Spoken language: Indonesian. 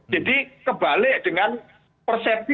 jadi kebalik dengan persepsi